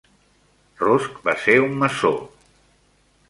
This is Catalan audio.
Rusk va ser un maçó.